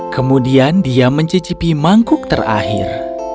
kemudian dia mencicipi mangkuk terakhir